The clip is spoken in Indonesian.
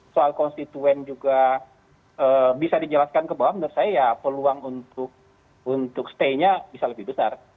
soal konstituen juga bisa dijelaskan ke bawah menurut saya ya peluang untuk stay nya bisa lebih besar